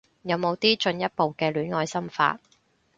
有冇啲進一步嘅戀愛心法